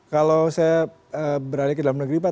kalau saya beralih ke dalam negeri pak